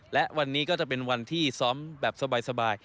และวันนี้ก็จะเป็นวันที่ซ้อมแบบสบาย